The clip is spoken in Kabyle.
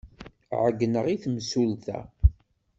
Ɛeyyneɣ i temsulta.